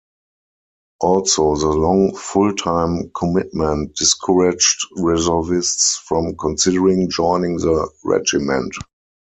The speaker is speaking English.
Also, the long full-time commitment discouraged reservists from considering joining the Regiment.